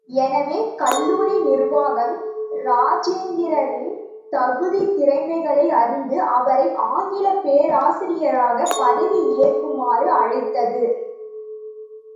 எனவே, கல்லூரி நிர்வாகம் இராஜேந்திரரின் தகுதி திறமைகளை அறிந்து அவரை ஆங்கிலப் பேராசிரியராகப் பதவி ஏற்குமாறு அழைத்தது.